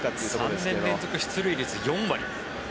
３年連続出塁率４割。